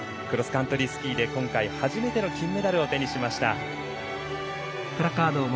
クロスカントリースキーで今回初めての金メダルを手にしました。